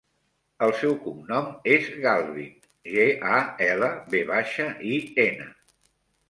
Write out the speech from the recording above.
El seu cognom és Galvin: ge, a, ela, ve baixa, i, ena.